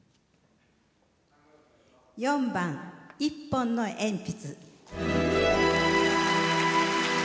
４番「一本の鉛筆」。